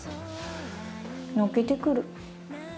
泣けてくる。